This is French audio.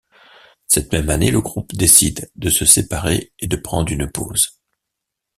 Cette même année, le groupe décide de se séparer et de prendre une pause.